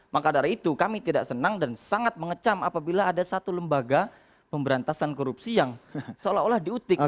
maka dari itu kami tidak senang dan sangat mengecam apabila ada satu lembaga pemberantasan korupsi yang seolah olah diutik